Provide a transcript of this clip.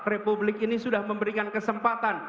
republik ini sudah memberikan kesempatan